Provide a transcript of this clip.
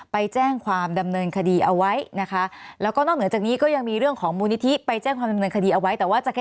ไปแจ้งความดำเนินคดีเอาไว้